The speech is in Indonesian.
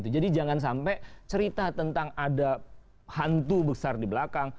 jadi jangan sampai cerita tentang ada hantu besar di belakang